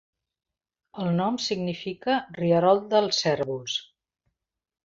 El nom significa "rierol dels cérvols".